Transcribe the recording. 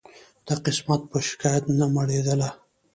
د قسمت په شکایت نه مړېدله